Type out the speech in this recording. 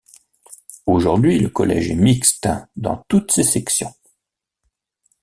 Aujourd’hui le collège est mixte dans toutes ses sections.